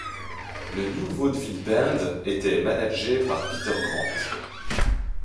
Le New Vaudeville Band était managé par Peter Grant.